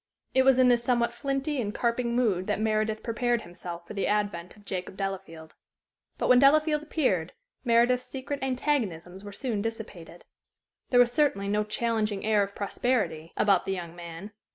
It was in this somewhat flinty and carping mood that Meredith prepared himself for the advent of Jacob Delafield. But when Delafield appeared, Meredith's secret antagonisms were soon dissipated. There was certainly no challenging air of prosperity about the young man.